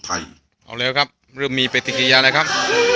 ไทยเอาเร็วครับเริ่มมีปฏิกิริยาแล้วครับ